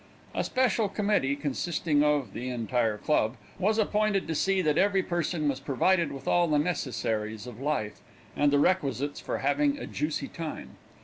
A special committee, consisting of the entire club, was appointed to see that every person was provided with all the necessaries of life, and the requisites for having a juicy time.